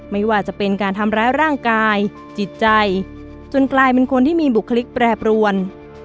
ไม่ว่าจะเป็นการทำร้ายร่างกายจิตใจจนกลายเป็นคนที่มีบุคลิกแปรปรวน